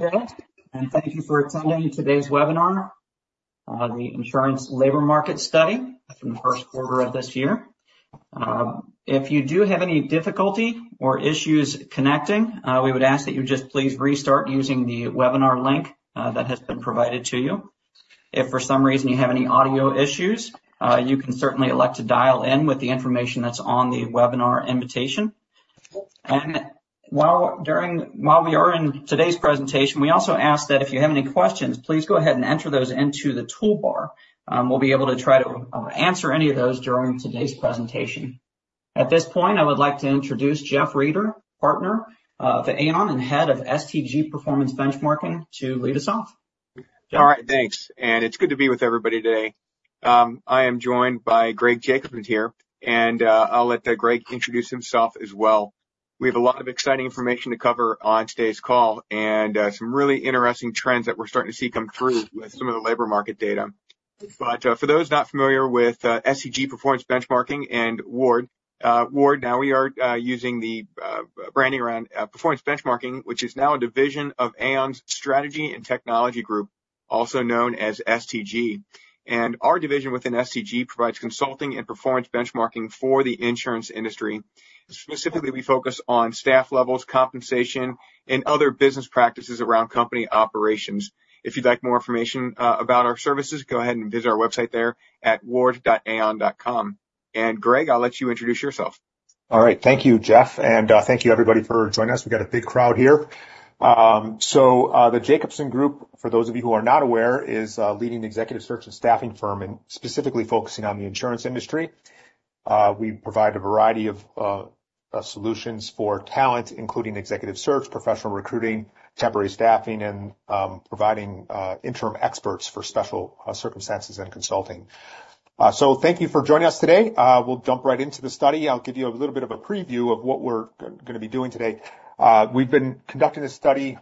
Good afternoon, and thank you for attending today's webinar, the Insurance Labor Market Study from the first quarter of this year. If you do have any difficulty or issues connecting, we would ask that you just please restart using the webinar link that has been provided to you. If for some reason you have any audio issues, you can certainly elect to dial in with the information that's on the webinar invitation. And while we are in today's presentation, we also ask that if you have any questions, please go ahead and enter those into the toolbar. We'll be able to try to answer any of those during today's presentation. At this point, I would like to introduce Jeff Rieder, Partner of Aon and head of STG Performance Benchmarking, to lead us off. All right. Thanks. It's good to be with everybody today. I am joined by Greg Jacobson here, and I'll let Greg introduce himself as well. We have a lot of exciting information to cover on today's call and some really interesting trends that we're starting to see come through with some of the labor market data. But for those not familiar with STG Performance Benchmarking and Ward, now we are using the branding around Performance Benchmarking, which is now a division of Aon's Strategy and Technology Group, also known as STG. Our division within STG provides consulting and performance benchmarking for the insurance industry. Specifically, we focus on staff levels, compensation, and other business practices around company operations. If you'd like more information about our services, go ahead and visit our website there at ward.aon.com. Greg, I'll let you introduce yourself. All right. Thank you, Jeff. Thank you, everybody, for joining us. We've got a big crowd here. The Jacobson Group, for those of you who are not aware, is the leading executive search and staffing firm and specifically focusing on the insurance industry. We provide a variety of solutions for talent, including executive search, professional recruiting, temporary staffing, and providing interim experts for special circumstances and consulting. Thank you for joining us today. We'll jump right into the study. I'll give you a little bit of a preview of what we're going to be doing today. We've been conducting this study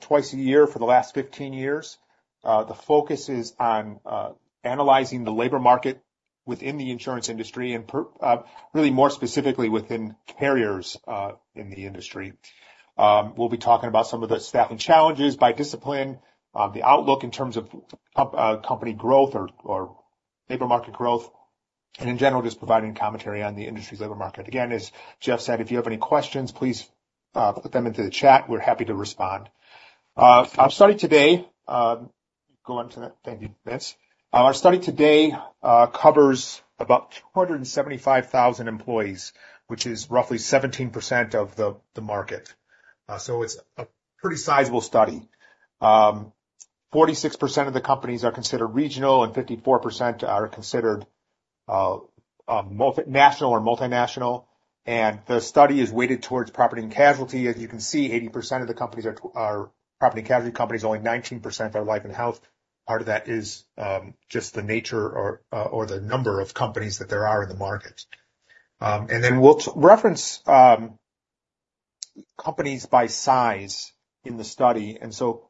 twice a year for the last 15 years. The focus is on analyzing the labor market within the insurance industry and really more specifically within carriers in the industry. We'll be talking about some of the staffing challenges, by discipline, the outlook in terms of company growth or labor market growth, and in general, just providing commentary on the industry's labor market. Again, as Jeff said, if you have any questions, please put them into the chat. We're happy to respond. Our study today go on to that. Thank you, Vince. Our study today covers about 275,000 employees, which is roughly 17% of the market. So it's a pretty sizable study. 46% of the companies are considered regional and 54% are considered national or multinational. The study is weighted towards property and casualty. As you can see, 80% of the companies are property and casualty companies. Only 19% are life and health. Part of that is just the nature or the number of companies that there are in the market. Then we'll reference companies by size in the study. So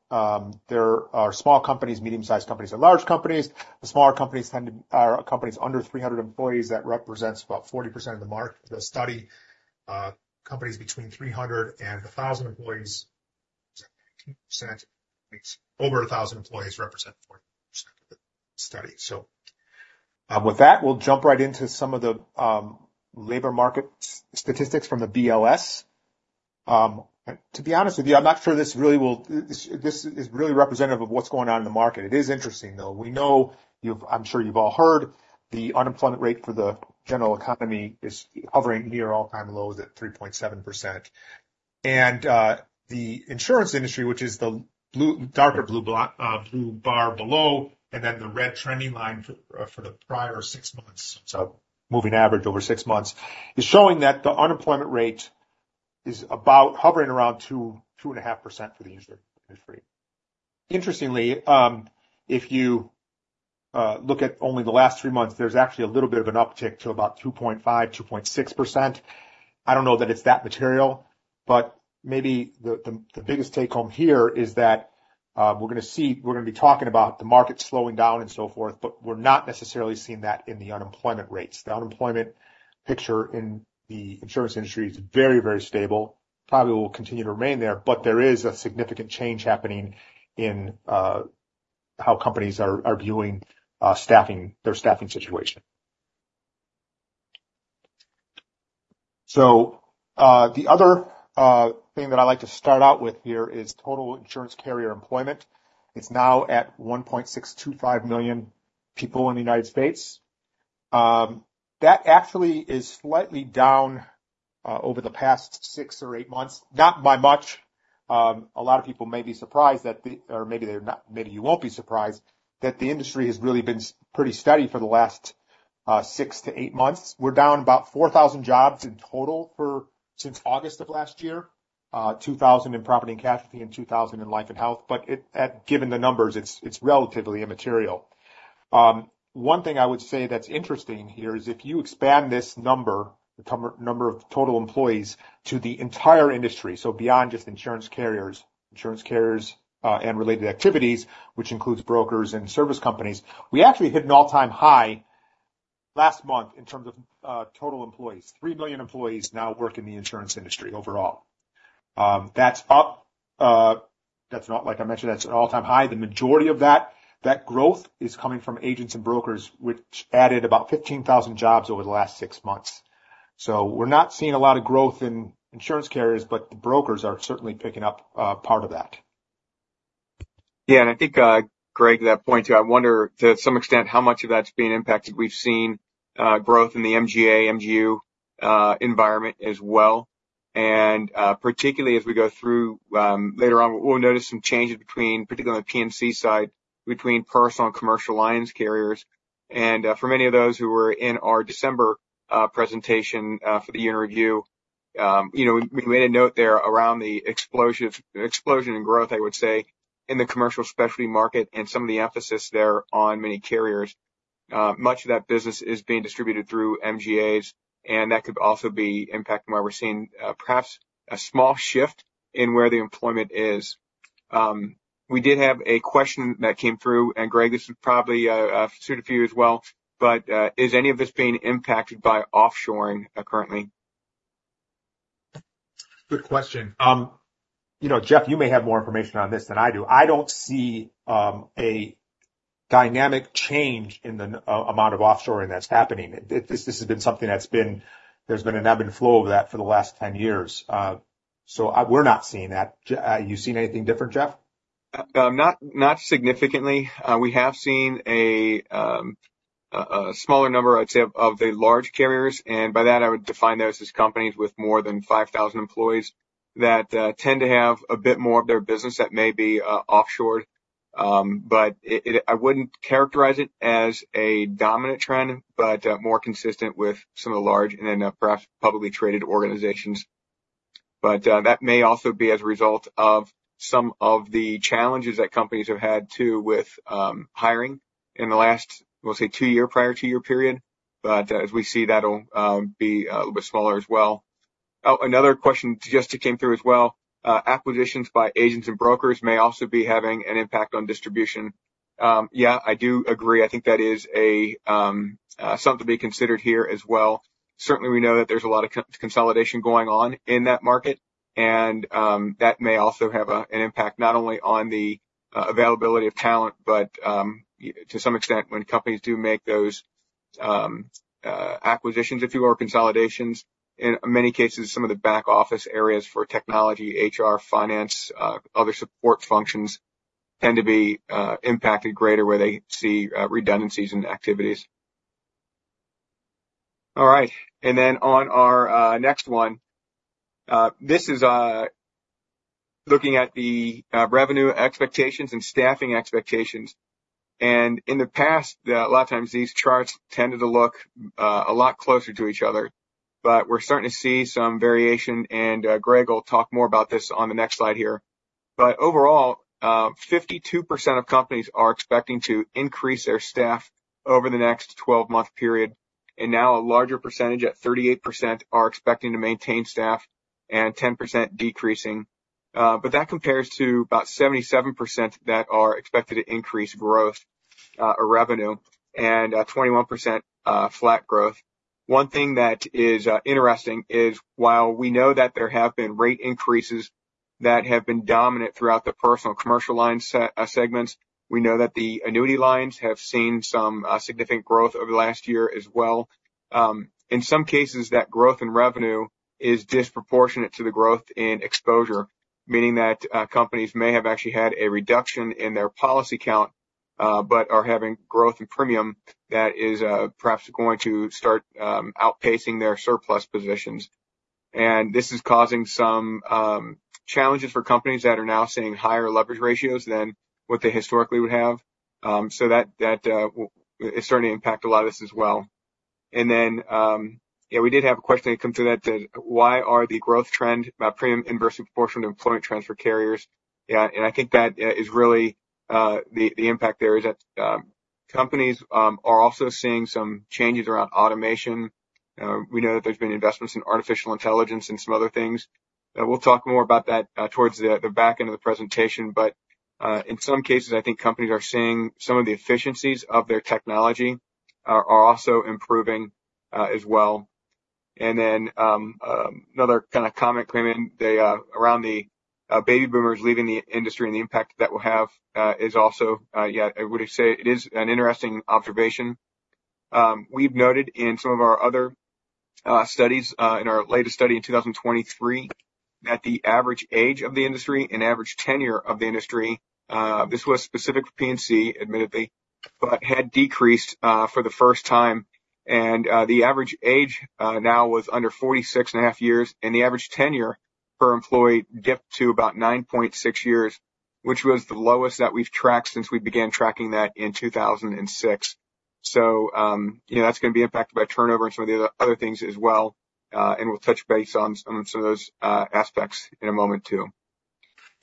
there are small companies, medium-sized companies, and large companies. The smaller companies tend to be companies under 300 employees. That represents about 40% of the study. Companies between 300 and 1,000 employees represent 19%. Over 1,000 employees represent 40% of the study. So with that, we'll jump right into some of the labor market statistics from the BLS. To be honest with you, I'm not sure this really is really representative of what's going on in the market. It is interesting, though. We know, I'm sure you've all heard the unemployment rate for the general economy is hovering near all-time lows at 3.7%. The insurance industry, which is the darker blue bar below and then the red trending line for the prior six months so moving average over six months, is showing that the unemployment rate is hovering around 2.5% for the insurance industry. Interestingly, if you look at only the last three months, there's actually a little bit of an uptick to about 2.5%-2.6%. I don't know that it's that material, but maybe the biggest take-home here is that we're going to see we're going to be talking about the market slowing down and so forth, but we're not necessarily seeing that in the unemployment rates. The unemployment picture in the insurance industry is very, very stable. Probably will continue to remain there, but there is a significant change happening in how companies are viewing their staffing situation. So the other thing that I'd like to start out with here is total insurance carrier employment. It's now at 1.625 million people in the United States. That actually is slightly down over the past six or eight months. Not by much. A lot of people may be surprised that maybe they're not. Maybe you won't be surprised that the industry has really been pretty steady for the last six to eight months. We're down about 4,000 jobs in total since August of last year, 2,000 in property and casualty and 2,000 in life and health. But given the numbers, it's relatively immaterial. One thing I would say that's interesting here is if you expand this number, the number of total employees, to the entire industry, so beyond just insurance carriers and related activities, which includes brokers and service companies, we actually hit an all-time high last month in terms of total employees, three million employees now work in the insurance industry overall. That's up. Like I mentioned, that's an all-time high. The majority of that growth is coming from agents and brokers, which added about 15,000 jobs over the last six months. So we're not seeing a lot of growth in insurance carriers, but the brokers are certainly picking up part of that. Yeah. And I think, Greg, that point too. I wonder, to some extent, how much of that's being impacted. We've seen growth in the MGA, MGU environment as well. And particularly as we go through later on, we'll notice some changes between, particularly on the P&C side, between personal and commercial lines carriers. And for many of those who were in our December presentation for the year in review, we made a note there around the explosion in growth, I would say, in the commercial specialty market and some of the emphasis there on many carriers. Much of that business is being distributed through MGAs, and that could also be impacting why we're seeing perhaps a small shift in where the employment is. We did have a question that came through, and Greg, this is probably suited to you as well, but is any of this being impacted by offshoring currently? Good question. Jeff, you may have more information on this than I do. I don't see a dynamic change in the amount of offshoring that's happening. This has been something that's been an ebb and flow of that for the last 10 years. So we're not seeing that. Have you seen anything different, Jeff? Not significantly. We have seen a smaller number, I'd say, of the large carriers. And by that, I would define those as companies with more than 5,000 employees that tend to have a bit more of their business that may be offshored. But I wouldn't characterize it as a dominant trend but more consistent with some of the large and then perhaps publicly traded organizations. But that may also be as a result of some of the challenges that companies have had too with hiring in the last, we'll say, two-year prior two-year period. But as we see, that'll be a little bit smaller as well. Oh, another question just came through as well. Acquisitions by agents and brokers may also be having an impact on distribution. Yeah, I do agree. I think that is something to be considered here as well. Certainly, we know that there's a lot of consolidation going on in that market, and that may also have an impact not only on the availability of talent but to some extent, when companies do make those acquisitions, if you will, or consolidations, in many cases, some of the back-office areas for technology, HR, finance, other support functions tend to be impacted greater where they see redundancies in activities. All right. And then on our next one, this is looking at the revenue expectations and staffing expectations. And in the past, a lot of times, these charts tended to look a lot closer to each other, but we're starting to see some variation. And Greg will talk more about this on the next slide here. But overall, 52% of companies are expecting to increase their staff over the next 12-month period. And now a larger percentage at 38% are expecting to maintain staff and 10% decreasing. But that compares to about 77% that are expected to increase growth or revenue and 21% flat growth. One thing that is interesting is while we know that there have been rate increases that have been dominant throughout the personal and commercial line segments, we know that the annuity lines have seen some significant growth over the last year as well. In some cases, that growth in revenue is disproportionate to the growth in exposure, meaning that companies may have actually had a reduction in their policy count but are having growth in premium that is perhaps going to start outpacing their surplus positions. And this is causing some challenges for companies that are now seeing higher leverage ratios than what they historically would have. So that is starting to impact a lot of this as well. And then, yeah, we did have a question that came through that said, "Why are the growth trend premium inverse proportional to employment trends for carriers?" And I think that is really the impact there is that companies are also seeing some changes around automation. We know that there's been investments in artificial intelligence and some other things. We'll talk more about that towards the back end of the presentation. But in some cases, I think companies are seeing some of the efficiencies of their technology are also improving as well. And then another kind of comment came in around the baby boomers leaving the industry and the impact that will have is also yeah, I would say it is an interesting observation. We've noted in some of our other studies, in our latest study in 2023, that the average age of the industry, an average tenure of the industry this was specific for P&C, admittedly, but had decreased for the first time. And the average age now was under 46.5 years. And the average tenure per employee dipped to about 9.6 years, which was the lowest that we've tracked since we began tracking that in 2006. So that's going to be impacted by turnover and some of the other things as well. And we'll touch base on some of those aspects in a moment too.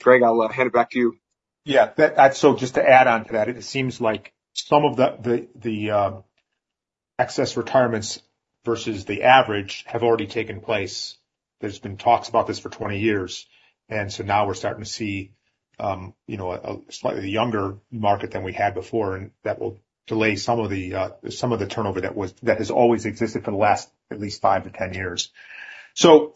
Greg, I'll hand it back to you. Yeah. So just to add on to that, it seems like some of the excess retirements versus the average have already taken place. There's been talks about this for 20 years. And so now we're starting to see a slightly younger market than we had before, and that will delay some of the turnover that has always existed for the last at least five to 10 years. So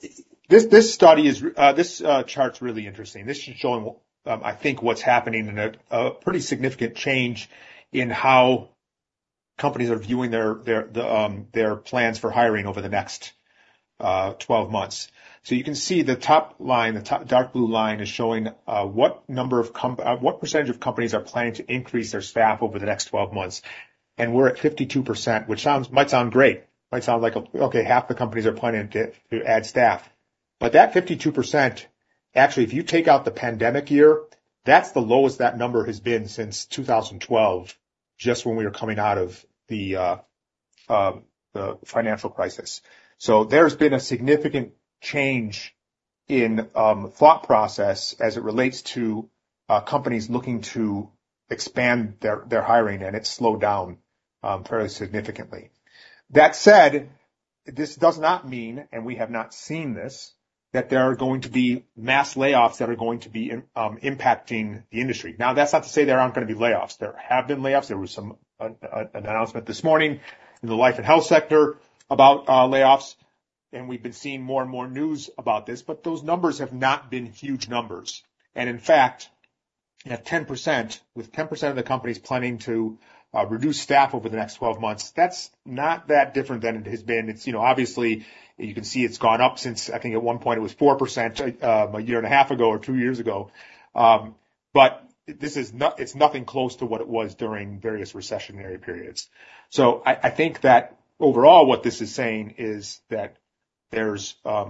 this study is this chart's really interesting. This is showing, I think, what's happening and a pretty significant change in how companies are viewing their plans for hiring over the next 12 months. So you can see the top line, the dark blue line, is showing what number of what percentage of companies are planning to increase their staff over the next 12 months. And we're at 52%, which might sound great. Might sound like, "Okay, half the companies are planning to add staff." But that 52%, actually, if you take out the pandemic year, that's the lowest that number has been since 2012, just when we were coming out of the financial crisis. So there's been a significant change in thought process as it relates to companies looking to expand their hiring, and it's slowed down fairly significantly. That said, this does not mean - and we have not seen this - that there are going to be mass layoffs that are going to be impacting the industry. Now, that's not to say there aren't going to be layoffs. There have been layoffs. There was an announcement this morning in the life and health sector about layoffs. And we've been seeing more and more news about this. But those numbers have not been huge numbers. In fact, with 10% of the companies planning to reduce staff over the next 12 months, that's not that different than it has been. Obviously, you can see it's gone up since, I think, at one point, it was 4% a year and a half ago or two years ago. It's nothing close to what it was during various recessionary periods. I think that overall, what this is saying is that there's a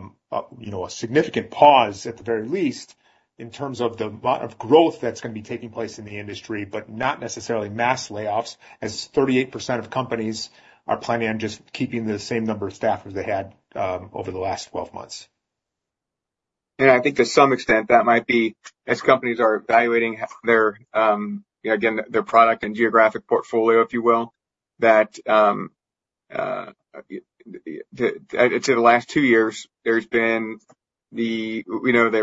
significant pause, at the very least, in terms of the amount of growth that's going to be taking place in the industry but not necessarily mass layoffs, as 38% of companies are planning on just keeping the same number of staff as they had over the last 12 months. I think to some extent, that might be, as companies are evaluating their, again, their product and geographic portfolio, if you will, that to the last two years, there's been the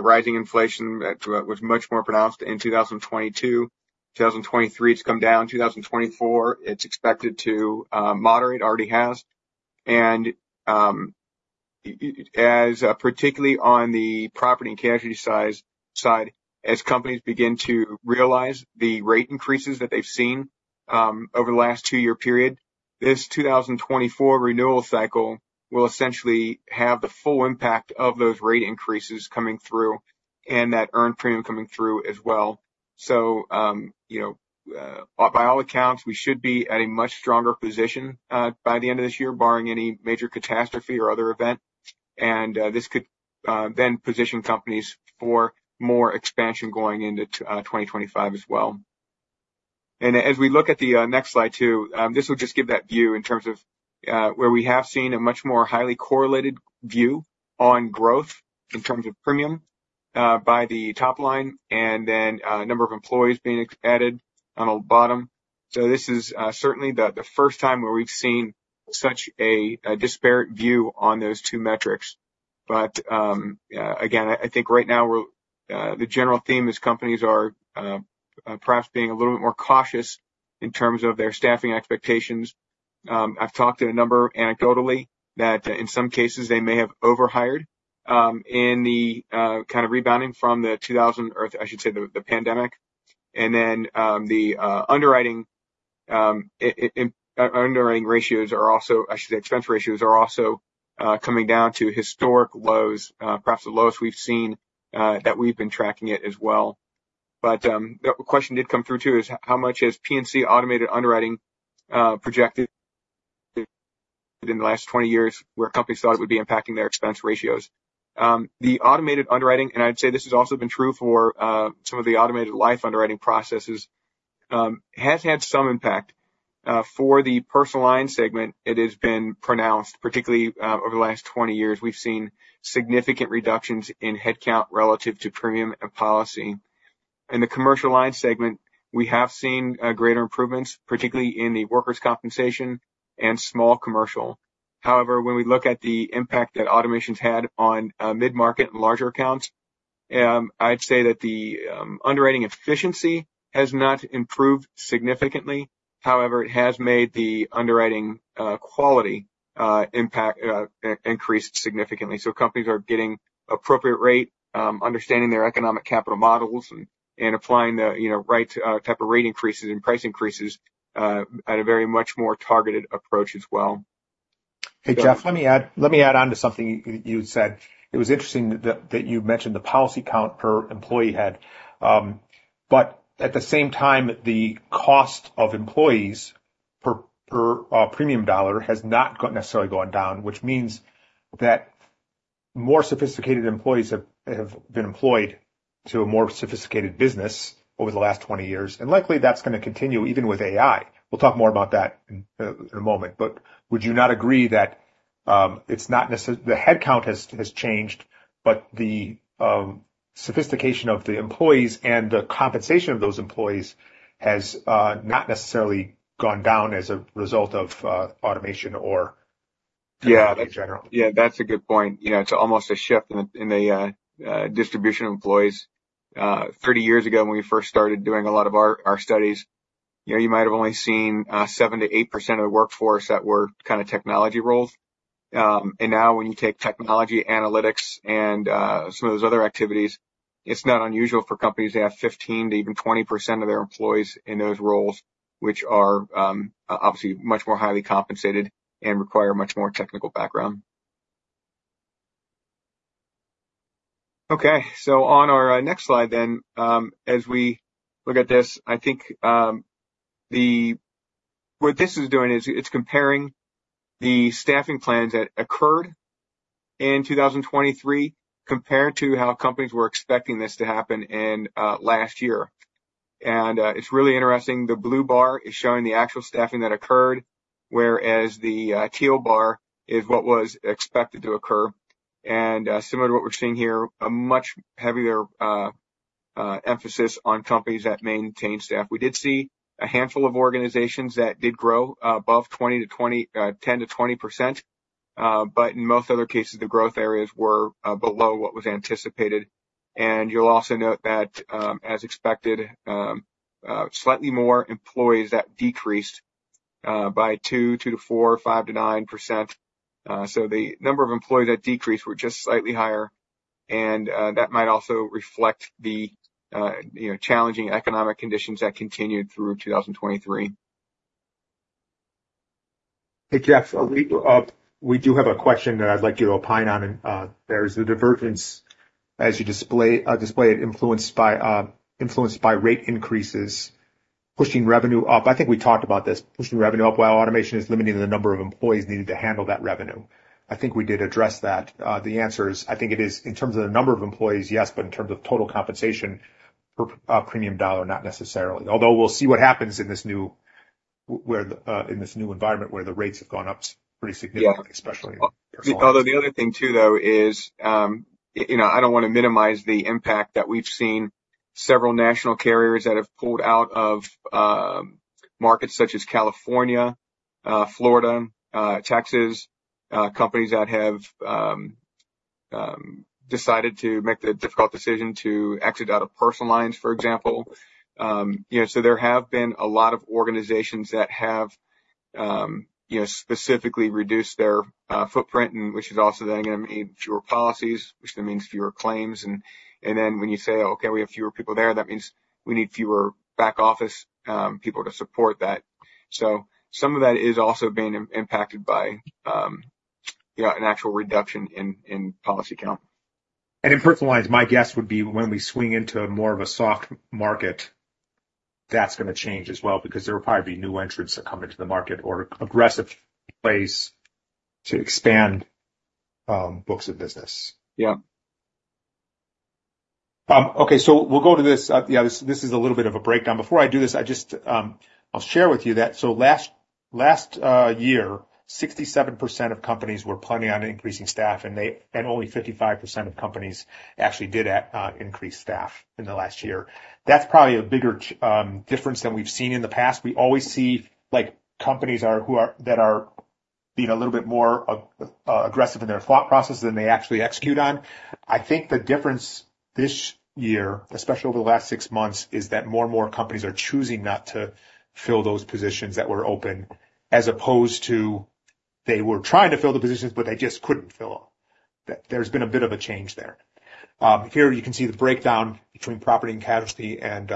rising inflation that was much more pronounced in 2022. 2023, it's come down. 2024, it's expected to moderate. Already has. And particularly on the property and casualty side, as companies begin to realize the rate increases that they've seen over the last two-year period, this 2024 renewal cycle will essentially have the full impact of those rate increases coming through and that earned premium coming through as well. So by all accounts, we should be at a much stronger position by the end of this year, barring any major catastrophe or other event. And this could then position companies for more expansion going into 2025 as well. And as we look at the next slide too, this will just give that view in terms of where we have seen a much more highly correlated view on growth in terms of premium by the top line and then number of employees being added on the bottom. So this is certainly the first time where we've seen such a disparate view on those two metrics. But again, I think right now, the general theme is companies are perhaps being a little bit more cautious in terms of their staffing expectations. I've talked to a number anecdotally that in some cases, they may have overhired in the kind of rebounding from the 2020 or I should say the pandemic. And then the underwriting ratios are also, I should say, expense ratios are also coming down to historic lows, perhaps the lowest we've seen that we've been tracking it as well. But a question did come through too is, "How much has P&C automated underwriting projected in the last 20 years where companies thought it would be impacting their expense ratios?" The automated underwriting, and I'd say this has also been true for some of the automated life underwriting processes, has had some impact. For the personal line segment, it has been pronounced, particularly over the last 20 years. We've seen significant reductions in headcount relative to premium and policy. In the commercial line segment, we have seen greater improvements, particularly in the workers' compensation and small commercial. However, when we look at the impact that automation's had on mid-market and larger accounts, I'd say that the underwriting efficiency has not improved significantly. However, it has made the underwriting quality increase significantly. So companies are getting appropriate rate, understanding their economic capital models, and applying the right type of rate increases and price increases at a very much more targeted approach as well. Hey, Jeff, let me add on to something you said. It was interesting that you mentioned the policy count per employee head. But at the same time, the cost of employees per premium dollar has not necessarily gone down, which means that more sophisticated employees have been employed to a more sophisticated business over the last 20 years. And likely, that's going to continue even with AI. We'll talk more about that in a moment. But would you not agree that it's not necessarily the headcount has changed, but the sophistication of the employees and the compensation of those employees has not necessarily gone down as a result of automation or in general? Yeah. Yeah, that's a good point. It's almost a shift in the distribution of employees. 30 years ago, when we first started doing a lot of our studies, you might have only seen 7%-8% of the workforce that were kind of technology roles. And now, when you take technology, analytics, and some of those other activities, it's not unusual for companies to have 15%-even 20% of their employees in those roles, which are obviously much more highly compensated and require much more technical background. Okay. So on our next slide then, as we look at this, I think what this is doing is it's comparing the staffing plans that occurred in 2023 compared to how companies were expecting this to happen in last year. And it's really interesting. The blue bar is showing the actual staffing that occurred, whereas the teal bar is what was expected to occur. Similar to what we're seeing here, a much heavier emphasis on companies that maintain staff. We did see a handful of organizations that did grow above 10%-20%. But in most other cases, the growth areas were below what was anticipated. You'll also note that, as expected, slightly more employees that decreased by 2%-4%, 5%-9%. So the number of employees that decreased were just slightly higher. That might also reflect the challenging economic conditions that continued through 2023. Hey, Jeff, we do have a question that I'd like you to opine on. There's the divergence, as you display it, influenced by rate increases, pushing revenue up. I think we talked about this, pushing revenue up while automation is limiting the number of employees needed to handle that revenue. I think we did address that. The answer is, I think it is in terms of the number of employees, yes, but in terms of total compensation per premium dollar, not necessarily. Although we'll see what happens in this new environment where the rates have gone up pretty significantly, especially in personal. Although the other thing too, though, is I don't want to minimize the impact that we've seen several national carriers that have pulled out of markets such as California, Florida, Texas, companies that have decided to make the difficult decision to exit out of personal lines, for example. So there have been a lot of organizations that have specifically reduced their footprint, which is also then going to mean fewer policies, which then means fewer claims. And then when you say, "Okay, we have fewer people there," that means we need fewer back-office people to support that. So some of that is also being impacted by an actual reduction in policy count. In personal lines, my guess would be when we swing into more of a soft market, that's going to change as well because there will probably be new entrants that come into the market or aggressive plays to expand books of business. Yeah. Okay. So we'll go to this. Yeah, this is a little bit of a breakdown. Before I do this, I'll share with you that. So last year, 67% of companies were planning on increasing staff, and only 55% of companies actually did increase staff in the last year. That's probably a bigger difference than we've seen in the past. We always see companies that are being a little bit more aggressive in their thought process than they actually execute on. I think the difference this year, especially over the last six months, is that more and more companies are choosing not to fill those positions that were open as opposed to they were trying to fill the positions, but they just couldn't fill them. There's been a bit of a change there. Here, you can see the breakdown between property and casualty and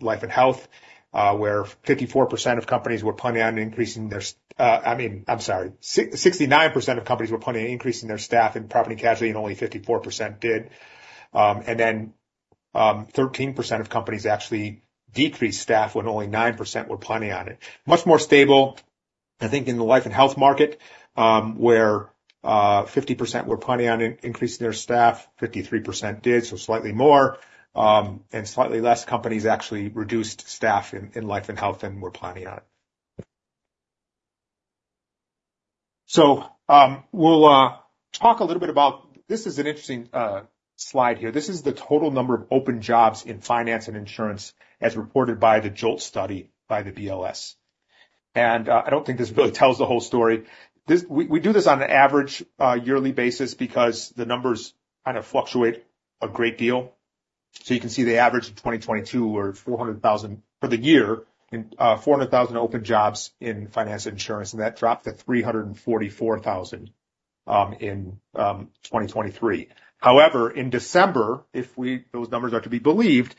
life and health, where 54% of companies were planning on increasing their I mean, I'm sorry, 69% of companies were planning on increasing their staff in property and casualty, and only 54% did. And then 13% of companies actually decreased staff when only 9% were planning on it. Much more stable, I think, in the life and health market, where 50% were planning on increasing their staff, 53% did, so slightly more. And slightly less companies actually reduced staff in life and health than were planning on it. So we'll talk a little bit about this. This is an interesting slide here. This is the total number of open jobs in finance and insurance as reported by the JOLTS study by the BLS. And I don't think this really tells the whole story. We do this on an average yearly basis because the numbers kind of fluctuate a great deal. So you can see the average in 2022 were 400,000 for the year, 400,000 open jobs in finance and insurance. And that dropped to 344,000 in 2023. However, in December, if those numbers are to be believed,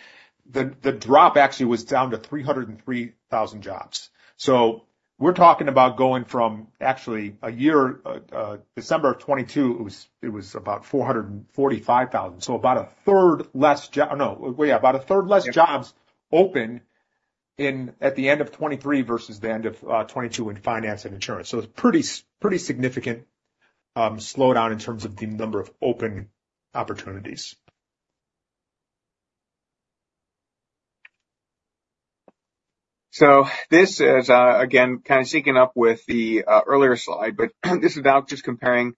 the drop actually was down to 303,000 jobs. So we're talking about going from actually a year, December of 2022, it was about 445,000. So about a third less oh, no. Well, yeah, about a third less jobs open at the end of 2023 versus the end of 2022 in finance and insurance. So it's a pretty significant slowdown in terms of the number of open opportunities. So this is, again, kind of syncing up with the earlier slide. But this is now just comparing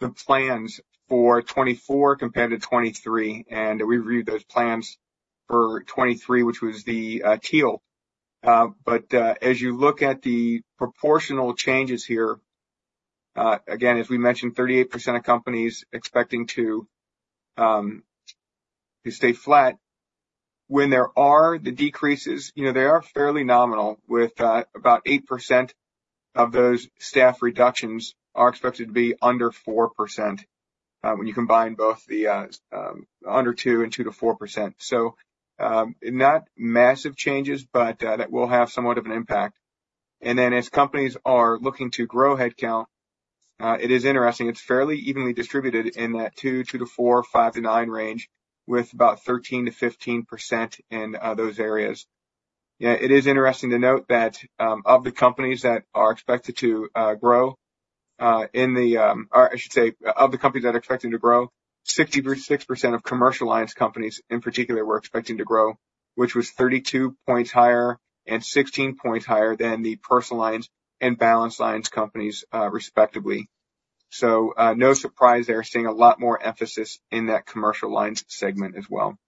the plans for 2024 compared to 2023. And we reviewed those plans for 2023, which was the teal. But as you look at the proportional changes here, again, as we mentioned, 38% of companies expecting to stay flat. When there are the decreases, they are fairly nominal. With about 8% of those staff reductions are expected to be under 4% when you combine both the under 2% and 2%-4%. So not massive changes, but that will have somewhat of an impact. And then as companies are looking to grow headcount, it is interesting. It's fairly evenly distributed in that 2%, 2%-4%, 5%-9% range with about 13%-15% in those areas. It is interesting to note that of the companies that are expected to grow, 66% of commercial lines companies, in particular, were expecting to grow, which was 32 points higher and 16 points higher than the personal lines and balance lines companies, respectively. So no surprise they're seeing a lot more emphasis in that commercial lines segment as well.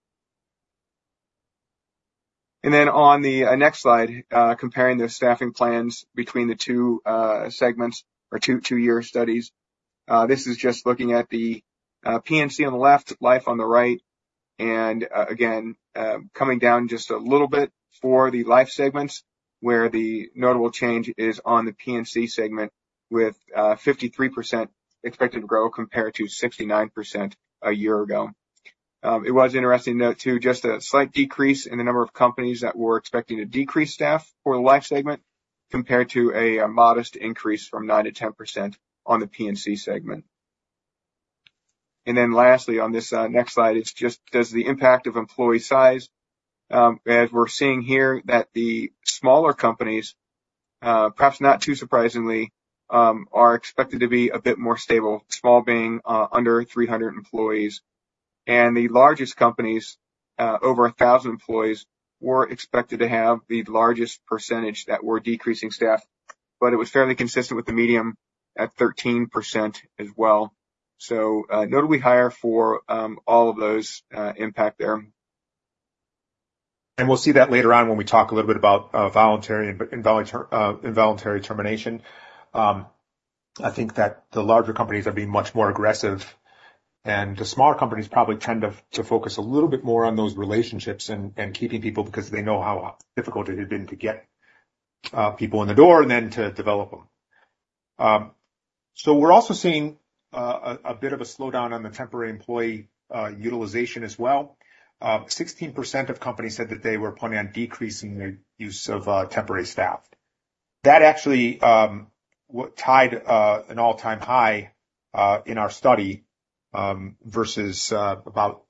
Then on the next slide, comparing those staffing plans between the two segments or two-year studies, this is just looking at the P&C on the left, life on the right, and again, coming down just a little bit for the life segments where the notable change is on the P&C segment with 53% expected to grow compared to 69% a year ago. It was interesting to note, too, just a slight decrease in the number of companies that were expecting to decrease staff for the life segment compared to a modest increase from 9%-10% on the P&C segment. And then lastly, on this next slide, it's just does the impact of employee size as we're seeing here that the smaller companies, perhaps not too surprisingly, are expected to be a bit more stable, small being under 300 employees. And the largest companies, over 1,000 employees, were expected to have the largest percentage that were decreasing staff. But it was fairly consistent with the medium at 13% as well. So notably higher for all of those impact there. We'll see that later on when we talk a little bit about involuntary termination. I think that the larger companies are being much more aggressive. The smaller companies probably tend to focus a little bit more on those relationships and keeping people because they know how difficult it had been to get people in the door and then to develop them. We're also seeing a bit of a slowdown on the temporary employee utilization as well. 16% of companies said that they were planning on decreasing their use of temporary staff. That actually tied an all-time high in our study versus about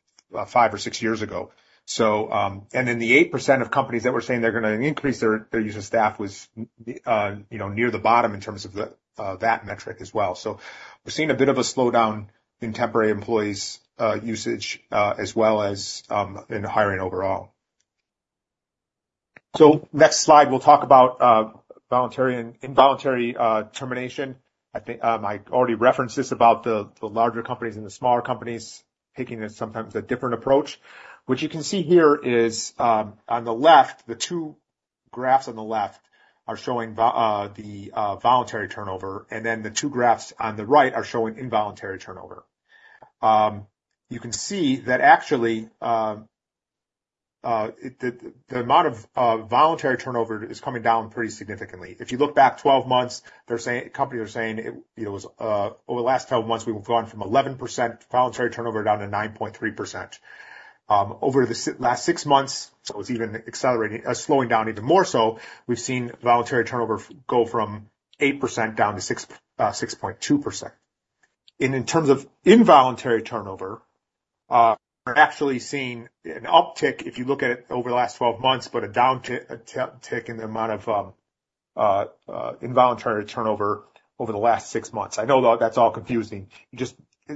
five or six years ago. The 8% of companies that were saying they're going to increase their use of staff was near the bottom in terms of that metric as well. So we're seeing a bit of a slowdown in temporary employees' usage as well as in hiring overall. So next slide, we'll talk about involuntary termination. I already referenced this about the larger companies and the smaller companies taking sometimes a different approach. What you can see here is on the left, the two graphs on the left are showing the voluntary turnover. Then the two graphs on the right are showing involuntary turnover. You can see that actually, the amount of voluntary turnover is coming down pretty significantly. If you look back 12 months, companies are saying it was over the last 12 months, we've gone from 11% voluntary turnover down to 9.3%. Over the last six months, so it's even accelerating, slowing down even more so, we've seen voluntary turnover go from 8% down to 6.2%. In terms of involuntary turnover, we're actually seeing an uptick if you look at it over the last 12 months, but a downtick in the amount of involuntary turnover over the last six months. I know that's all confusing,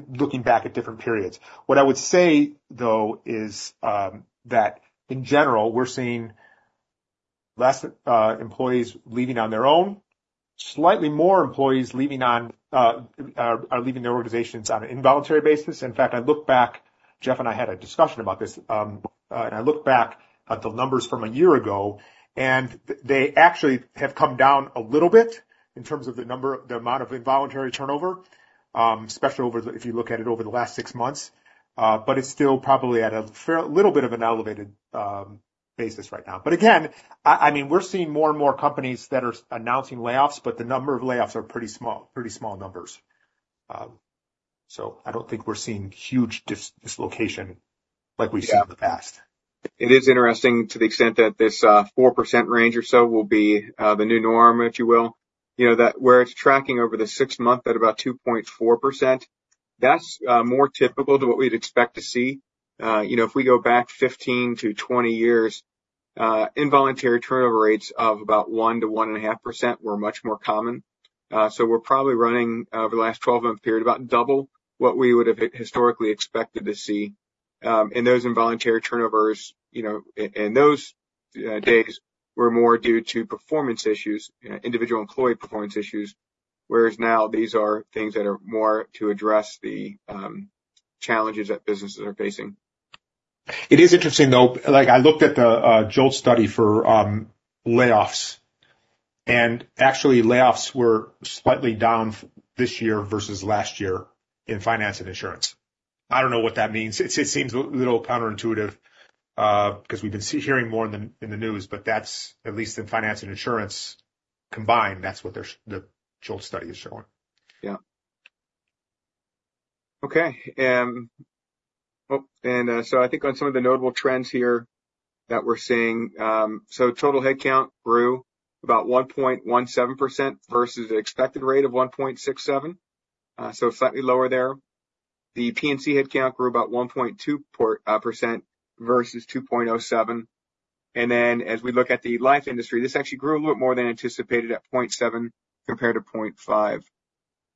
looking back at different periods. What I would say, though, is that in general, we're seeing less employees leaving on their own, slightly more employees leaving their organizations on an involuntary basis. In fact, I looked back Jeff and I had a discussion about this. I looked back at the numbers from a year ago. They actually have come down a little bit in terms of the amount of involuntary turnover, especially if you look at it over the last six months. But it's still probably at a little bit of an elevated basis right now. But again, I mean, we're seeing more and more companies that are announcing layoffs, but the number of layoffs are pretty small numbers. So I don't think we're seeing huge dislocation like we've seen in the past. It is interesting to the extent that this 4% range or so will be the new norm, if you will. Where it's tracking over the six months at about 2.4%, that's more typical to what we'd expect to see. If we go back 15-20 years, involuntary turnover rates of about 1%-1.5% were much more common. So we're probably running, over the last 12-month period, about double what we would have historically expected to see. And those involuntary turnovers in those days were more due to performance issues, individual employee performance issues, whereas now these are things that are more to address the challenges that businesses are facing. It is interesting, though. I looked at the JOLTS study for layoffs. And actually, layoffs were slightly down this year versus last year in finance and insurance. I don't know what that means. It seems a little counterintuitive because we've been hearing more in the news. But at least in finance and insurance combined, that's what the JOLTS study is showing. Yeah. Okay. And so I think on some of the notable trends here that we're seeing, so total headcount grew about 1.17% versus the expected rate of 1.67%. So slightly lower there. The P&C headcount grew about 1.2% versus 2.07%. And then as we look at the life industry, this actually grew a little bit more than anticipated at 0.7% compared to 0.5%.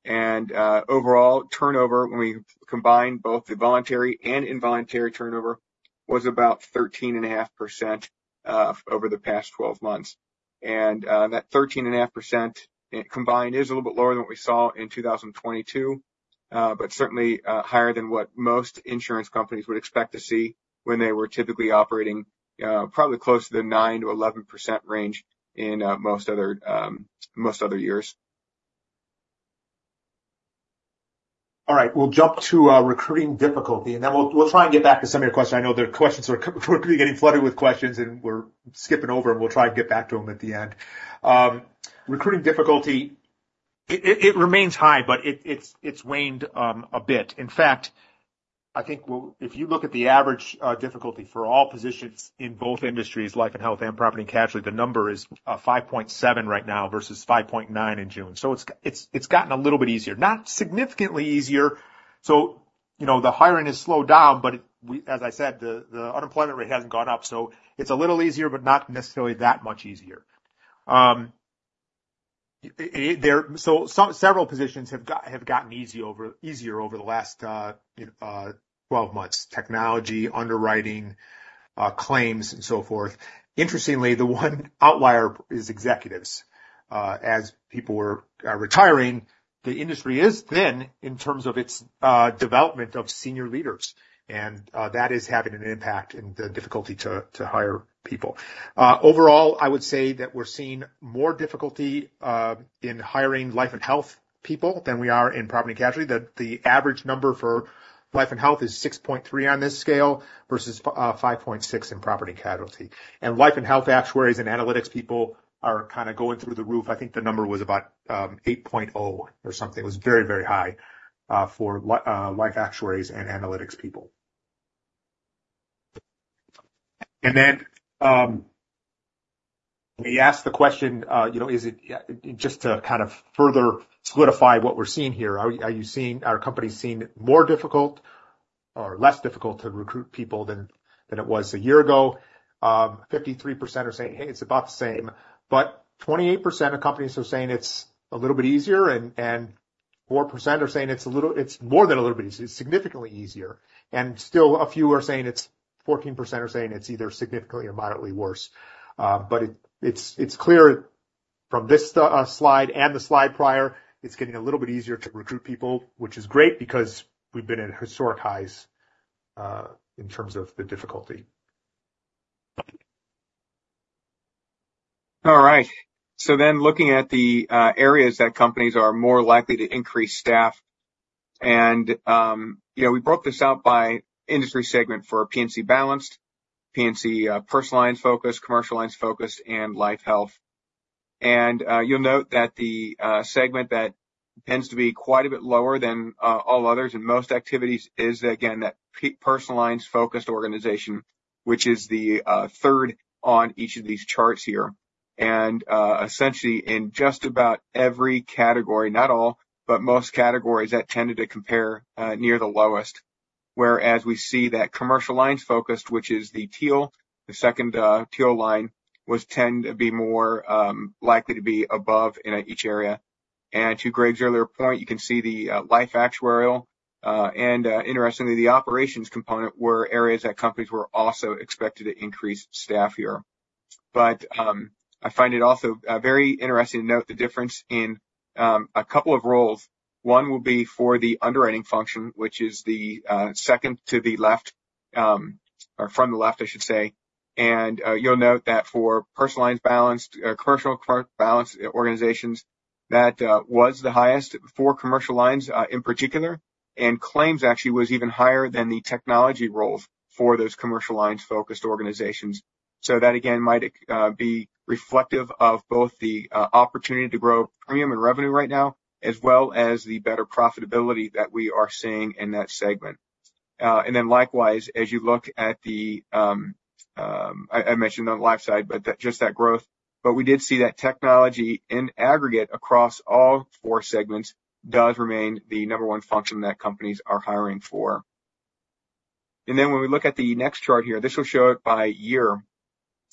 And overall, turnover, when we combine both the voluntary and involuntary turnover, was about 13.5% over the past 12 months. And that 13.5% combined is a little bit lower than what we saw in 2022, but certainly higher than what most insurance companies would expect to see when they were typically operating, probably close to the 9%-11% range in most other years. All right. We'll jump to recruiting difficulty. And then we'll try and get back to some of your questions. I know the questions are we're going to be getting flooded with questions, and we're skipping over, and we'll try and get back to them at the end. Recruiting difficulty, it remains high, but it's waned a bit. In fact, I think if you look at the average difficulty for all positions in both industries, life and health and property and casualty, the number is 5.7% right now versus 5.9% in June. So it's gotten a little bit easier, not significantly easier. So the hiring has slowed down. But as I said, the unemployment rate hasn't gone up. So it's a little easier, but not necessarily that much easier. So several positions have gotten easier over the last 12 months: technology, underwriting, claims, and so forth. Interestingly, the one outlier is executives. As people were retiring, the industry is thin in terms of its development of senior leaders. And that is having an impact in the difficulty to hire people. Overall, I would say that we're seeing more difficulty in hiring life and health people than we are in property and casualty. The average number for life and health is 6.3% on this scale versus 5.6% in property and casualty. And life and health actuaries and analytics people are kind of going through the roof. I think the number was about 8.0% or something. It was very, very high for life actuaries and analytics people. And then we asked the question, is it just to kind of further solidify what we're seeing here? Are you seeing are companies seeing it more difficult or less difficult to recruit people than it was a year ago? 53% are saying, "Hey, it's about the same." 28% of companies are saying it's a little bit easier. 4% are saying it's more than a little bit easier. It's significantly easier. Still, 14% are saying it's either significantly or moderately worse. It's clear from this slide and the slide prior, it's getting a little bit easier to recruit people, which is great because we've been at historic highs in terms of the difficulty. All right. So then looking at the areas that companies are more likely to increase staff and we broke this out by industry segment for P&C balanced, P&C personal lines focused, commercial lines focused, and life-health. You'll note that the segment that tends to be quite a bit lower than all others in most activities is, again, that personal lines focused organization, which is the third on each of these charts here. Essentially, in just about every category, not all, but most categories, that tended to compare near the lowest. Whereas we see that commercial lines focused, which is the teal, the second teal line, tend to be more likely to be above in each area. To Greg's earlier point, you can see the life actuarial and, interestingly, the operations component were areas that companies were also expected to increase staff here. But I find it also very interesting to note the difference in a couple of roles. One will be for the underwriting function, which is the second to the left or from the left, I should say. And you'll note that for personal lines balanced, commercial balanced organizations, that was the highest for commercial lines in particular. And claims actually was even higher than the technology roles for those commercial lines focused organizations. So that, again, might be reflective of both the opportunity to grow premium and revenue right now as well as the better profitability that we are seeing in that segment. And then likewise, as you look at the I mentioned on the life side, but just that growth. But we did see that technology in aggregate across all four segments does remain the number one function that companies are hiring for. And then when we look at the next chart here, this will show it by year.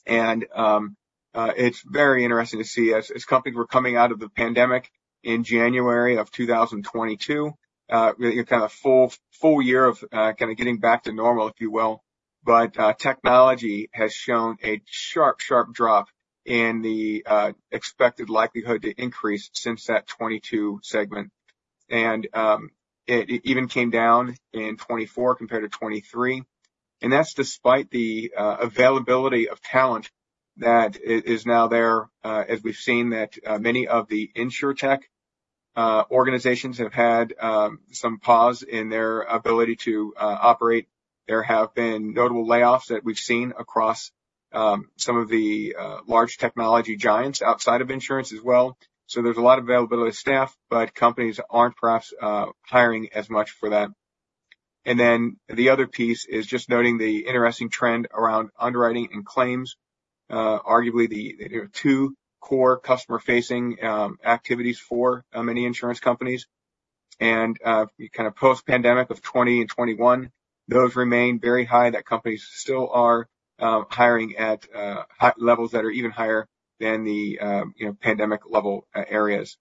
It's very interesting to see as companies were coming out of the pandemic in January of 2022, kind of a full year of kind of getting back to normal, if you will. But technology has shown a sharp, sharp drop in the expected likelihood to increase since that 2022 segment. And it even came down in 2024 compared to 2023. And that's despite the availability of talent that is now there. As we've seen that many of the insurtech organizations have had some pause in their ability to operate. There have been notable layoffs that we've seen across some of the large technology giants outside of insurance as well. So there's a lot of availability of staff, but companies aren't perhaps hiring as much for that. The other piece is just noting the interesting trend around underwriting and claims, arguably the two core customer-facing activities for many insurance companies. Kind of post-pandemic of 2020 and 2021, those remain very high, that companies still are hiring at levels that are even higher than the pandemic-level areas.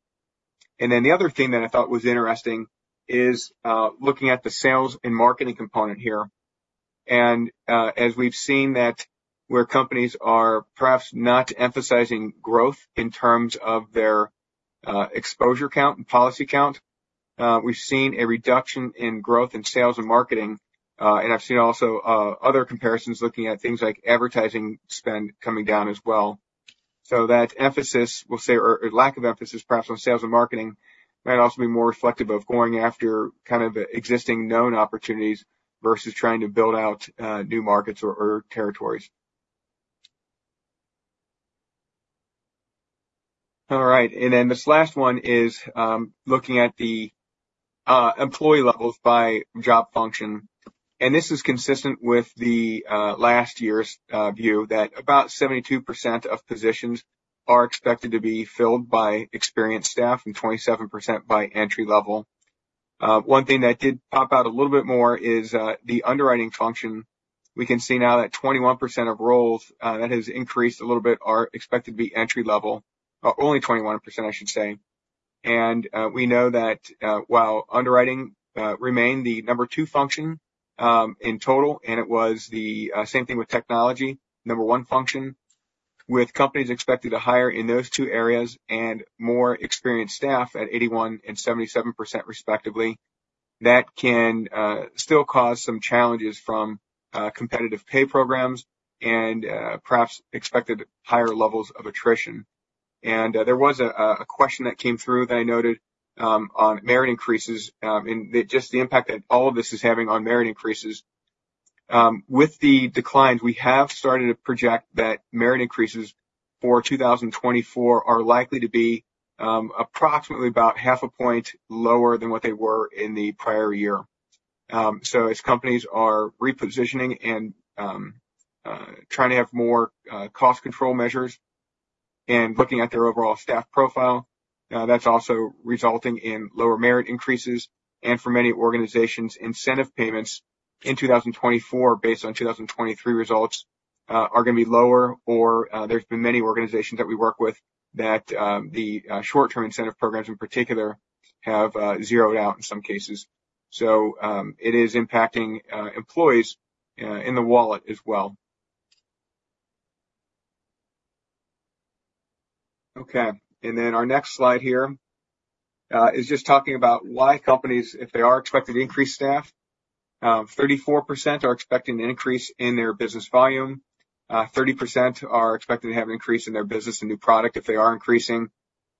The other thing that I thought was interesting is looking at the sales and marketing component here. As we've seen that where companies are perhaps not emphasizing growth in terms of their exposure count and policy count, we've seen a reduction in growth in sales and marketing. I've seen also other comparisons looking at things like advertising spend coming down as well. So that emphasis, we'll say, or lack of emphasis perhaps on sales and marketing might also be more reflective of going after kind of existing known opportunities versus trying to build out new markets or territories. All right. And then this last one is looking at the employee levels by job function. And this is consistent with the last year's view that about 72% of positions are expected to be filled by experienced staff and 27% by entry level. One thing that did pop out a little bit more is the underwriting function. We can see now that 21% of roles that has increased a little bit are expected to be entry level or only 21%, I should say. We know that while underwriting remained the number two function in total, and it was the same thing with technology, number one function, with companies expected to hire in those two areas and more experienced staff at 81% and 77% respectively, that can still cause some challenges from competitive pay programs and perhaps expected higher levels of attrition. There was a question that came through that I noted on merit increases and just the impact that all of this is having on merit increases. With the declines, we have started to project that merit increases for 2024 are likely to be approximately about 0.5 point lower than what they were in the prior year. As companies are repositioning and trying to have more cost control measures and looking at their overall staff profile, that's also resulting in lower merit increases. For many organizations, incentive payments in 2024 based on 2023 results are going to be lower. There's been many organizations that we work with that the short-term incentive programs in particular have zeroed out in some cases. It is impacting employees in the wallet as well. Okay. Then our next slide here is just talking about why companies, if they are expected to increase staff, 34% are expecting an increase in their business volume. 30% are expected to have an increase in their business and new product if they are increasing.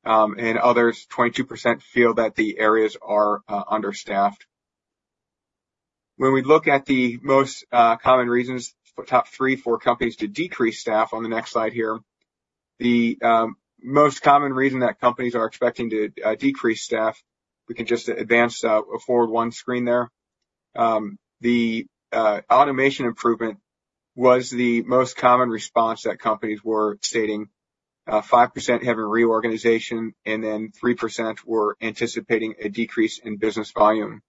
And others, 22%, feel that the areas are understaffed. When we look at the most common reasons, top three for companies to decrease staff on the next slide here, the most common reason that companies are expecting to decrease staff we can just advance forward one screen there. The automation improvement was the most common response that companies were stating, 5% having reorganization, and then 3% were anticipating a decrease in business volume.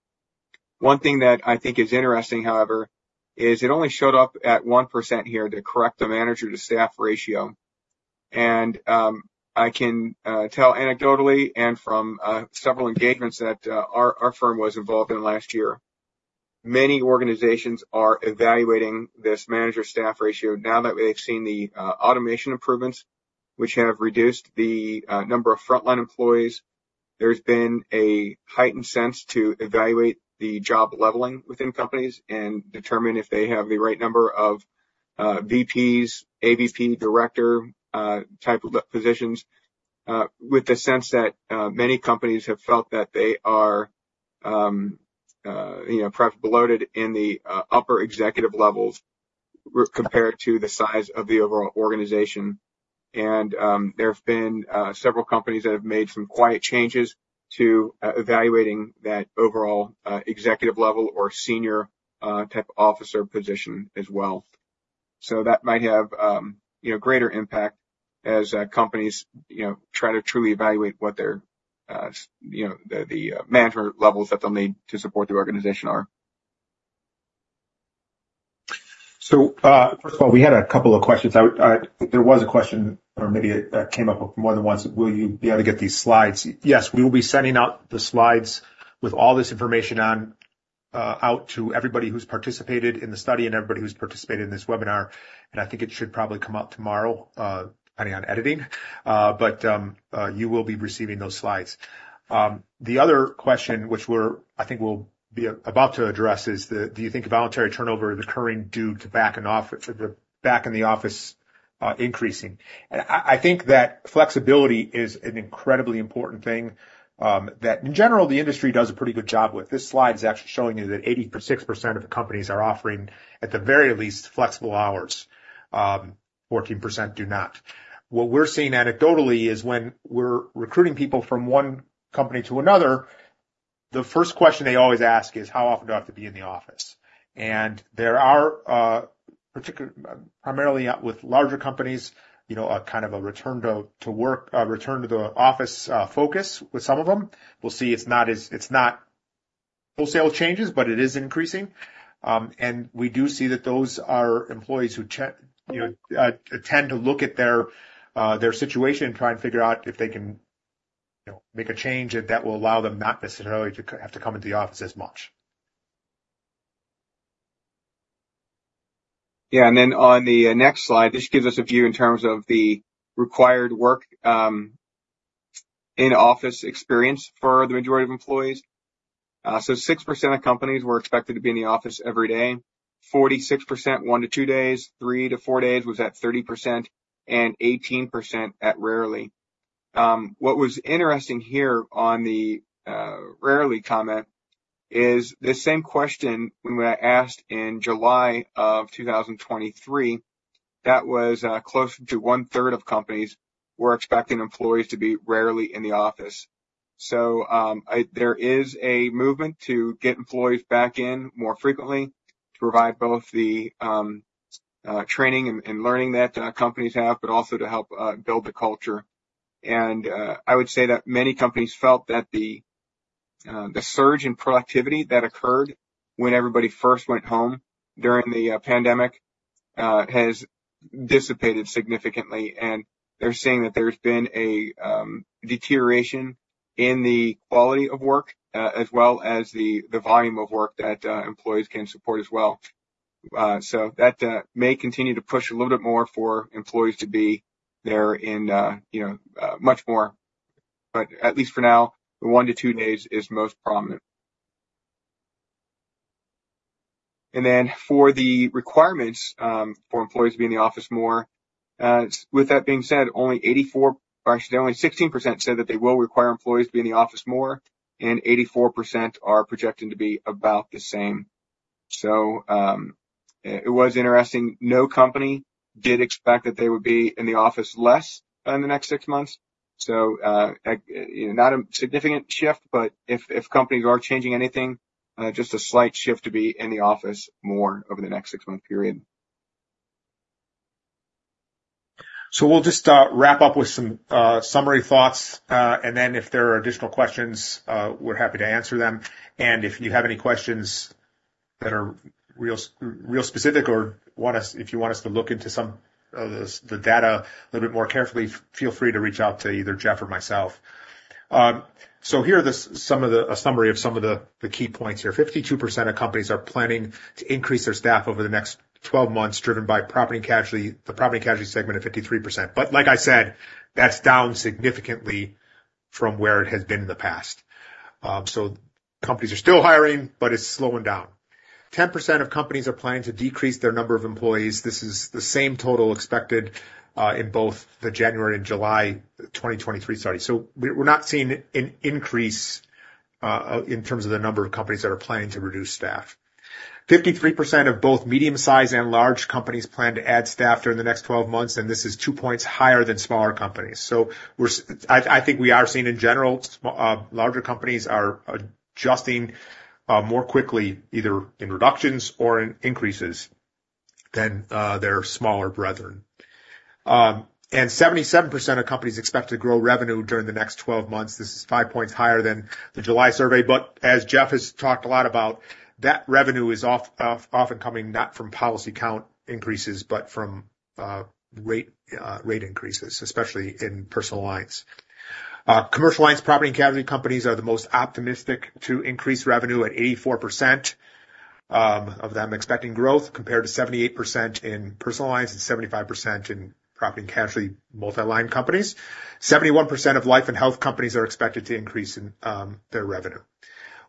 One thing that I think is interesting, however, is it only showed up at 1% here, the correct manager-to-staff ratio. I can tell anecdotally and from several engagements that our firm was involved in last year, many organizations are evaluating this manager-staff ratio now that they've seen the automation improvements, which have reduced the number of frontline employees. There's been a heightened sense to evaluate the job leveling within companies and determine if they have the right number of VPs, AVP, director-type positions with the sense that many companies have felt that they are perhaps bloated in the upper executive levels compared to the size of the overall organization. There have been several companies that have made some quiet changes to evaluating that overall executive level or senior-type officer position as well. That might have greater impact as companies try to truly evaluate what the management levels that they'll need to support the organization are. First of all, we had a couple of questions. There was a question or maybe it came up more than once. Will you be able to get these slides? Yes, we will be sending out the slides with all this information out to everybody who's participated in the study and everybody who's participated in this webinar. I think it should probably come out tomorrow depending on editing. But you will be receiving those slides. The other question, which I think we'll be about to address, is do you think voluntary turnover is occurring due to back in the office increasing? I think that flexibility is an incredibly important thing that, in general, the industry does a pretty good job with. This slide is actually showing you that 86% of companies are offering, at the very least, flexible hours. 14% do not. What we're seeing anecdotally is when we're recruiting people from one company to another, the first question they always ask is, "How often do I have to be in the office?" And there are, primarily with larger companies, kind of a return to work, return to the office focus with some of them. We'll see it's not wholesale changes, but it is increasing. And we do see that those are employees who tend to look at their situation and try and figure out if they can make a change that will allow them not necessarily to have to come into the office as much. Yeah. And then on the next slide, this gives us a view in terms of the required work-in-office experience for the majority of employees. So 6% of companies were expected to be in the office every day. 46%, one to two days. three to four days was at 30%. And 18% at rarely. What was interesting here on the rarely comment is this same question when I asked in July of 2023, that was close to one-third of companies were expecting employees to be rarely in the office. So there is a movement to get employees back in more frequently to provide both the training and learning that companies have, but also to help build the culture. And I would say that many companies felt that the surge in productivity that occurred when everybody first went home during the pandemic has dissipated significantly. They're seeing that there's been a deterioration in the quality of work as well as the volume of work that employees can support as well. So that may continue to push a little bit more for employees to be there in much more. But at least for now, the one to two days is most prominent. And then for the requirements for employees to be in the office more, with that being said, only 84 or actually, only 16% said that they will require employees to be in the office more. And 84% are projecting to be about the same. So it was interesting. No company did expect that they would be in the office less in the next six months. So not a significant shift, but if companies are changing anything, just a slight shift to be in the office more over the next 6-month period. So we'll just wrap up with some summary thoughts. Then if there are additional questions, we're happy to answer them. If you have any questions that are real specific or if you want us to look into some of the data a little bit more carefully, feel free to reach out to either Jeff or myself. Here are some of the summary of some of the key points here. 52% of companies are planning to increase their staff over the next 12 months driven by property casualty, the property casualty segment at 53%. But like I said, that's down significantly from where it has been in the past. Companies are still hiring, but it's slowing down. 10% of companies are planning to decrease their number of employees. This is the same total expected in both the January and July 2023 study. We're not seeing an increase in terms of the number of companies that are planning to reduce staff. 53% of both medium-sized and large companies plan to add staff during the next 12 months. This is two points higher than smaller companies. I think we are seeing, in general, larger companies are adjusting more quickly either in reductions or in increases than their smaller brethren. 77% of companies expect to grow revenue during the next 12 months. This is five points higher than the July survey. But as Jeff has talked a lot about, that revenue is often coming not from policy count increases, but from rate increases, especially in personal lines. Commercial lines property and casualty companies are the most optimistic to increase revenue at 84% of them expecting growth compared to 78% in personal lines and 75% in property and casualty multi-line companies. 71% of life and health companies are expected to increase in their revenue.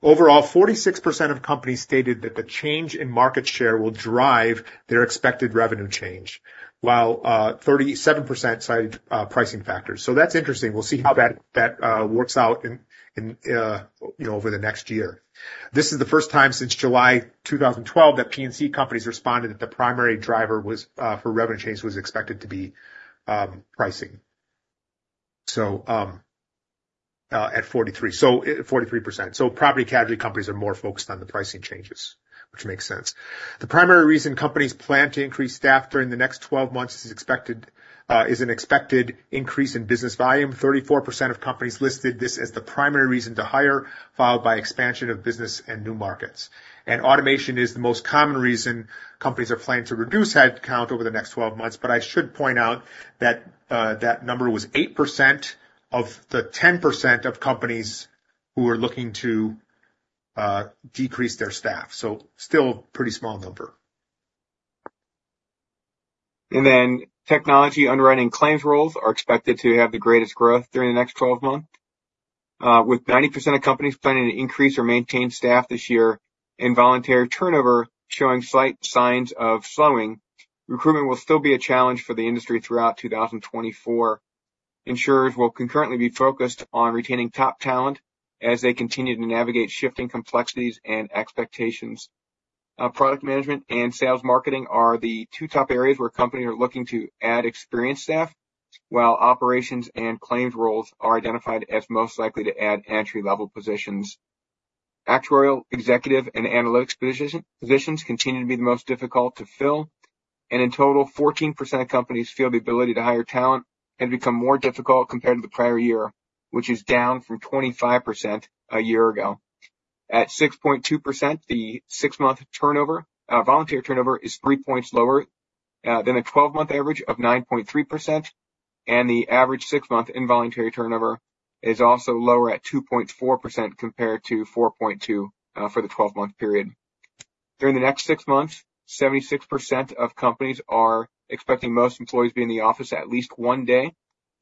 Overall, 46% of companies stated that the change in market share will drive their expected revenue change while 37% cited pricing factors. That's interesting. We'll see how that works out over the next year. This is the first time since July 2012 that P&C companies responded that the primary driver for revenue change was expected to be pricing at 43%. Property casualty companies are more focused on the pricing changes, which makes sense. The primary reason companies plan to increase staff during the next 12 months is an expected increase in business volume. 34% of companies listed this as the primary reason to hire, followed by expansion of business and new markets. Automation is the most common reason companies are planning to reduce headcount over the next 12 months. But I should point out that that number was 8% of the 10% of companies who were looking to decrease their staff. So still a pretty small number. Then technology underwriting claims roles are expected to have the greatest growth during the next 12 months. With 90% of companies planning to increase or maintain staff this year and voluntary turnover showing slight signs of slowing, recruitment will still be a challenge for the industry throughout 2024. Insurers will concurrently be focused on retaining top talent as they continue to navigate shifting complexities and expectations. Product management and sales marketing are the two top areas where companies are looking to add experienced staff while operations and claims roles are identified as most likely to add entry-level positions. Actuarial, executive, and analytics positions continue to be the most difficult to fill. And in total, 14% of companies feel the ability to hire talent has become more difficult compared to the prior year, which is down from 25% a year ago. At 6.2%, the six-month voluntary turnover is three points lower than the 12-month average of 9.3%. The average six-month involuntary turnover is also lower at 2.4% compared to 4.2% for the 12-month period. During the next six months, 76% of companies are expecting most employees to be in the office at least one day.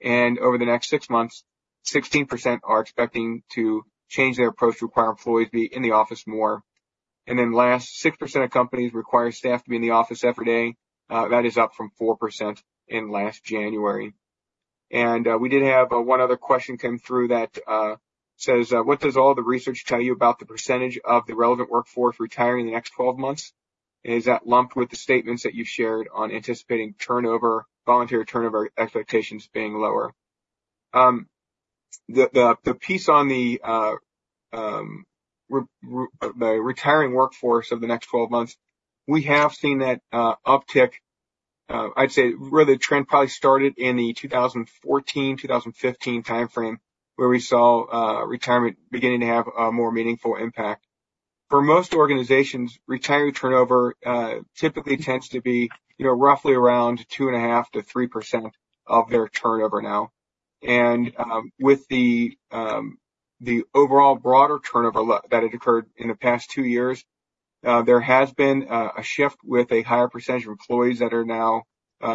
Over the next six months, 16% are expecting to change their approach to require employees to be in the office more. Last, 6% of companies require staff to be in the office every day. That is up from 4% in last January. We did have one other question come through that says, "What does all the research tell you about the percentage of the relevant workforce retiring in the next 12 months? Is that lumped with the statements that you've shared on anticipating voluntary turnover expectations being lower?" The piece on the retiring workforce of the next 12 months, we have seen that uptick. I'd say really the trend probably started in the 2014, 2015 timeframe where we saw retirement beginning to have a more meaningful impact. For most organizations, retiree turnover typically tends to be roughly around 2.5%-3% of their turnover now. With the overall broader turnover that had occurred in the past two years, there has been a shift with a higher percentage of employees that are now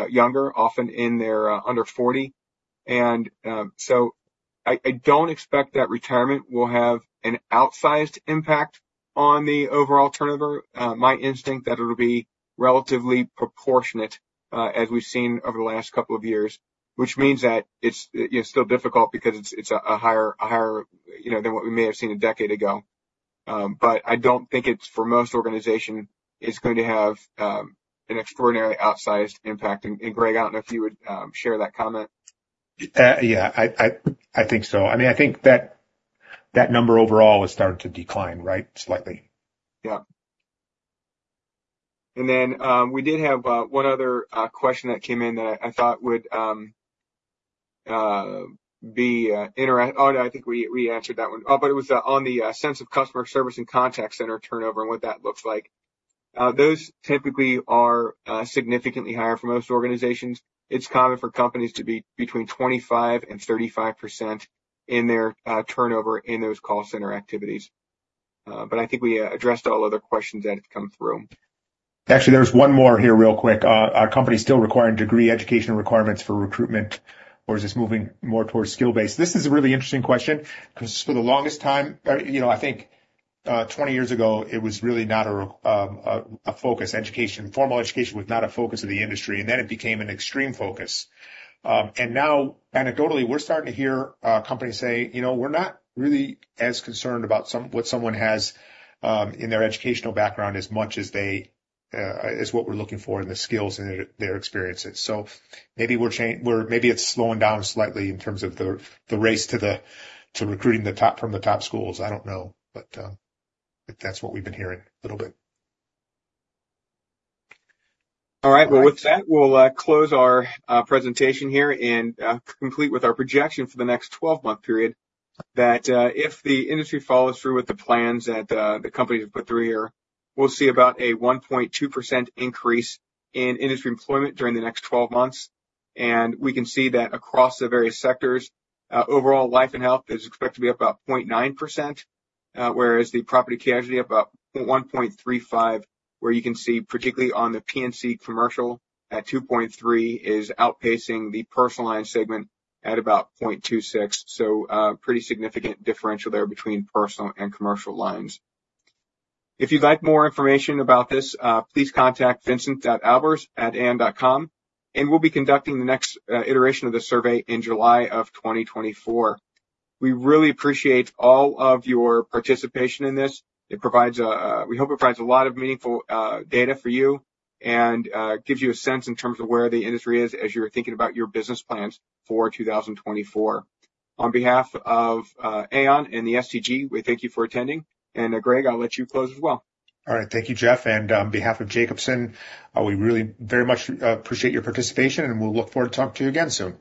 younger, often under 40. So I don't expect that retirement will have an outsized impact on the overall turnover. My instinct that it'll be relatively proportionate as we've seen over the last couple of years, which means that it's still difficult because it's a higher than what we may have seen a decade ago. But I don't think it's, for most organizations, going to have an extraordinarily outsized impact. And Greg, I don't know if you would share that comment. Yeah, I think so. I mean, I think that number overall has started to decline, right, slightly. Yeah. And then we did have one other question that came in that I thought would be. Oh, no, I think we answered that one. Oh, but it was on the sense of customer service and contact center turnover and what that looks like. Those typically are significantly higher for most organizations. It's common for companies to be between 25% and 35% in their turnover in those call center activities. But I think we addressed all other questions that had come through. Actually, there's one more here real quick. Are companies still requiring degree education requirements for recruitment, or is this moving more towards skill-based? This is a really interesting question because for the longest time, I think 20 years ago, it was really not a focus. Formal education was not a focus of the industry. Then it became an extreme focus. Now, anecdotally, we're starting to hear companies say, "We're not really as concerned about what someone has in their educational background as much as what we're looking for in the skills and their experiences." So maybe it's slowing down slightly in terms of the race to recruiting from the top schools. I don't know. But that's what we've been hearing a little bit. All right. Well, with that, we'll close our presentation here and complete with our projection for the next 12-month period that if the industry follows through with the plans that the companies have put through here, we'll see about a 1.2% increase in industry employment during the next 12 months. And we can see that across the various sectors, overall life and health is expected to be up about 0.9%, whereas the property casualty up about 1.35%, where you can see particularly on the P&C commercial at 2.3% is outpacing the personal line segment at about 0.26%. So pretty significant differential there between personal and commercial lines. If you'd like more information about this, please contact vincent.albers@aon.com. And we'll be conducting the next iteration of the survey in July of 2024. We really appreciate all of your participation in this. We hope it provides a lot of meaningful data for you and gives you a sense in terms of where the industry is as you're thinking about your business plans for 2024. On behalf of Aon and the STG, we thank you for attending. And Greg, I'll let you close as well. All right. Thank you, Jeff. On behalf of Jacobson, we really very much appreciate your participation. We'll look forward to talking to you again soon.